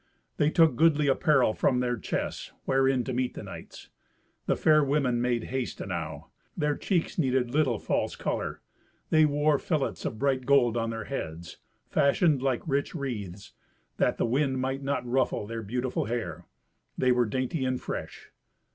They took goodly apparel from their chests, wherein to meet the knights. The fair women made haste enow. Their cheeks needed little false colour. They wore fillets of bright gold on their heads, fashioned like rich wreaths, that the wind might not ruffle their beautiful hair. They were dainty and fresh.